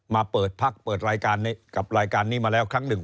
มาเปิดพักเปิดรายการกับรายการนี้มาแล้วครั้งหนึ่ง